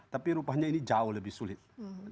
tapi rupanya ini jauh lebih sulit dari kalimantan